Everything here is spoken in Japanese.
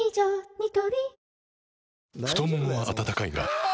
ニトリ太ももは温かいがあ！